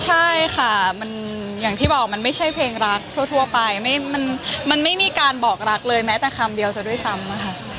ใช่ค่ะอย่างที่บอกมันไม่ใช่เพลงรักทั่วไปมันไม่มีการบอกรักเลยแม้แต่คำเดียวซะด้วยซ้ำอะค่ะ